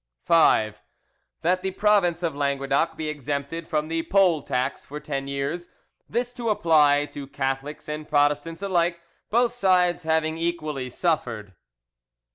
"5. That the province of Languedoc be exempted from the poll tax for ten years, this to apply, to Catholics and Protestants alike, both sides having equally suffered.